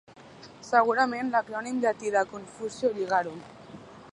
Segurament l'acrònim llatí de «Confusio linguarum».